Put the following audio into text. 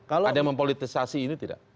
ada yang mempolitisasi ini tidak